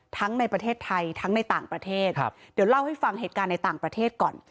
ในประเทศไทยทั้งในต่างประเทศเดี๋ยวเล่าให้ฟังเหตุการณ์ในต่างประเทศก่อน